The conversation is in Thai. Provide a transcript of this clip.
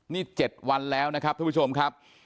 นี่๗วันแล้วนะครับท่านผู้ชมครับ